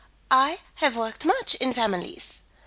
I have worked much in families.